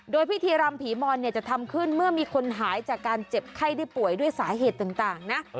โดยพิธีรำผีมอนจะทำขึ้นเมื่อมีคนหายจากการเจ็บไข้ได้ป่วยด้วยสาเหตุต่างนะ